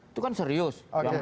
itu kan serius